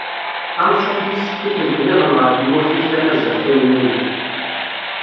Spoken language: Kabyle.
Ansuf yis-k tikkelt-nniḍen ɣer tmurt-ik tamaziɣt a Yennayer.